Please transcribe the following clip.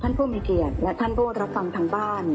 ท่านผู้มีทีตและท่านผู้รับฟังทั้งบ้าน